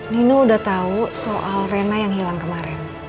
nino udah tau soal reina yang hilang kemaren